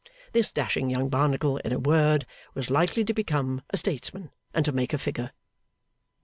This dashing young Barnacle, in a word, was likely to become a statesman, and to make a figure.